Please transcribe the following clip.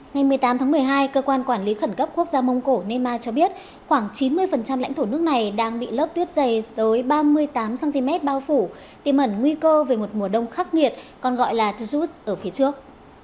ngày một mươi tám tháng một mươi hai cơ quan quản lý khẩn cấp quốc gia mông cổ nema cho biết khoảng chín mươi lãnh thổ nước này đang bị lớp tuyết dày tới ba mươi tám cm bao phủ tìm ẩn nguy cơ về một mùa đông khắc nghiệt còn gọi là tujut ở phía trước